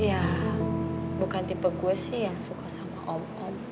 ya bukan tipe gue sih yang suka sama om om